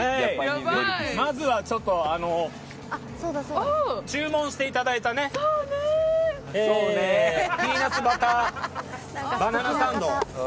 まずは注文していただいたピーナツバターバナナサンド。